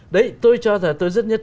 đấy tôi cho rằng tôi rất nhận thức